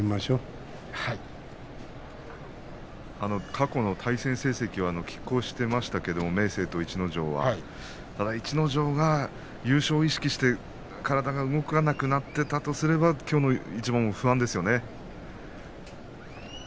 過去の対戦成績はきっ抗していましたけれども明生と逸ノ城は逸ノ城が意識して体が動かなくなってたとすればきょうの一番も不安ですよね。